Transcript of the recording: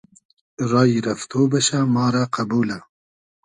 رایی رئفتۉ بئشۂ ما رۂ قئبولۂ